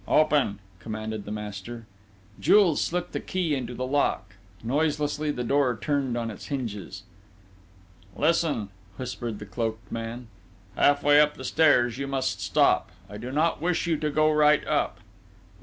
"Open," commanded the master. Jules slipped a key into the lock: noiselessly the door turned on its hinges. "Listen," whispered the cloaked man. "Half way up the stairs, you must stop: I do not wish you to go right up...."